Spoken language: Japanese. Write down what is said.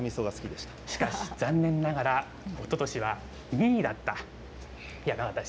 しかし、残念ながらおととしは２位だった山形市。